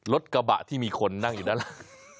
รถกระบะที่มีคนนั่งอยู่ด้านล่าง